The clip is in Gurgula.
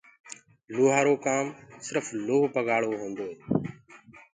لوهآرو ڪآم سرڦ لوه پگآݪوو هوندوئي